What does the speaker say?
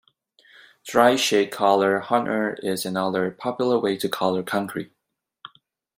Dry shake color hardener is another popular way to color concrete.